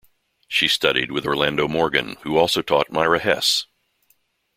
She studied with Orlando Morgan, who also taught Myra Hess.